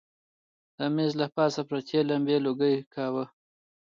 د مېز له پاسه پرتې لمبې لوګی کاوه.